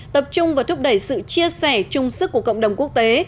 tập trung và thúc đẩy sự chia sẻ trung sức của cộng đồng quốc tế